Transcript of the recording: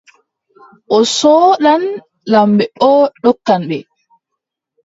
O soodan, lamɓe boo ndonkan ɓe.